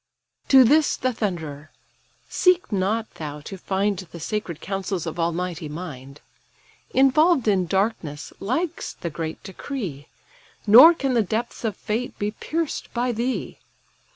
To this the thunderer: "Seek not thou to find The sacred counsels of almighty mind: Involved in darkness lies the great decree, Nor can the depths of fate be pierced by thee.